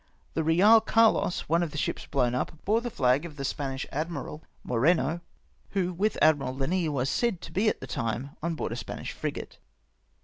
The Real Carlos, one of the ships blown up, bore the flag of the Spanish Admiral, Moreno, who with Admiral Linois was said to be at the time on board a Spanish frigate.